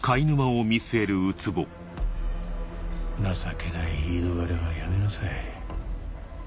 情けない言い逃れはやめなさい。